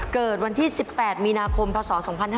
เกิดวันที่๑๘มีนาคมพศ๒๕๕๙